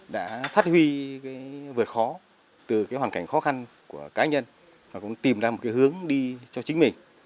đã phát huy vượt khó từ hoàn cảnh khó khăn của cá nhân và cũng tìm ra một cái hướng đi cho chính mình